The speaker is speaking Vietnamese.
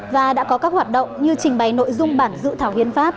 và đã có các hoạt động như trình bày nội dung bản dự thảo hiến pháp